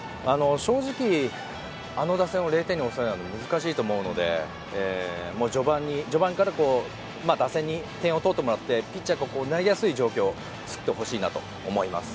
正直あの打線を０点に抑えるのは難しいと思うので、序盤から打線に点を取ってもらってピッチャーが投げやすい状況を作ってほしいと思います。